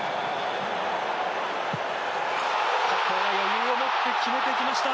ここは余裕を持って決めてきました。